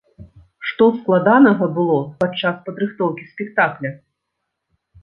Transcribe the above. Што складанага было падчас падрыхтоўкі спектакля?